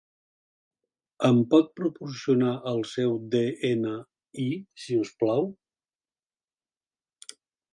Em pot proporcionar el seu de-ena-i, si us plau?